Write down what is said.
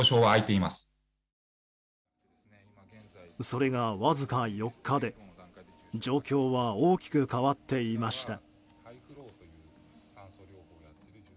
それが、わずか４日で状況は大きく変わっていました。